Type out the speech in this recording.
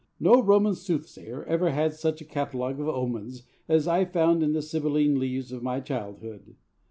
No Roman soothsayer ever had such a catalogue of omens as I found in the Sibylline leaves of my childhood.